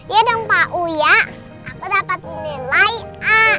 ya dong pak uya aku dapat nilai a